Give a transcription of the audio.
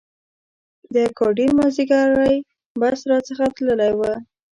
د اګادیر مازیګری بس را څخه تللی و.